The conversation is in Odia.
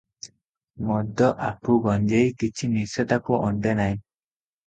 ମଦ, ଆପୁ, ଗଞ୍ଜେଇ କିଛି ନିଶା ତାକୁ ଅଣ୍ଟେ ନାହିଁ ।